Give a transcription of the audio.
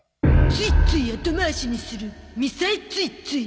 ついつい後回しにするみさえついつい。